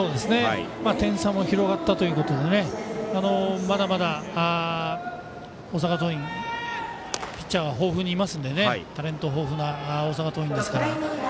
点差も広がったということでまだまだ大阪桐蔭ピッチャーが豊富にいますのでタレント豊富な大阪桐蔭ですから。